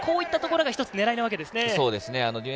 こういったところが狙いなわけですね。